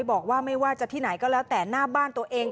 บอกว่าไม่ว่าจะที่ไหนก็แล้วแต่หน้าบ้านตัวเอง